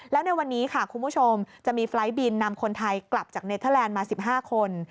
แล้วในวันนี้ค่ะคุณผู้ชมจะมีไฟล์บินนำคนไทยกลับจากเนเทอร์แลนด์มา๑๕คน